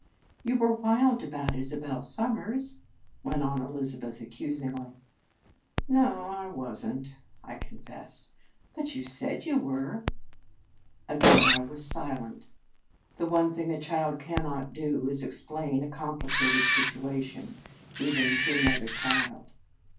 " You were wild about Isabel Sum mers," went on Elizabeth accusingly. " No, I was n t," I confessed. " But you said you were." Again I was silent. The one thing 221 In Our Convent Days a child cannot do is explain a com plicated situation, even to another child.